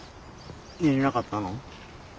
寝れなかったの？